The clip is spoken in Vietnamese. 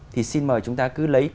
thì xin mời chúng ta cứ lấy